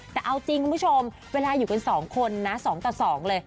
แต่เอาจริงคุณผู้ชมเวลาอยู่กัน๒คนนะ๒ต่อ๒เลย